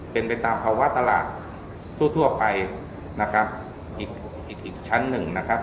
เป็นไปตามภาวะตลาดทั่วทั่วไปนะครับอีกอีกชั้นหนึ่งนะครับ